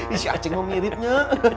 ih acing mau miripnya